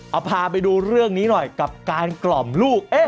เอาพาไปดูเรื่องนี้หน่อยกับการกล่อมลูก